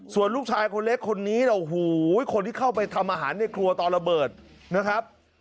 ส่วนลูกชายคนเล็กคนนี้โอ้โหคนที่เข้าไปทำอาหารในครัวตอนระเบิดนะครับ